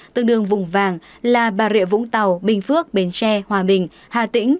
tương đương vùng vàng là bà rịa vũng tàu bình phước bến tre hòa bình hà tĩnh